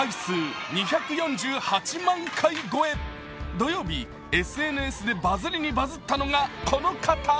土曜日、ＳＮＳでバズリにバズったのがこの方。